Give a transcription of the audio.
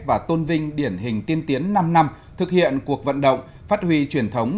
và tôn vinh điển hình tiên tiến năm năm thực hiện cuộc vận động phát huy truyền thống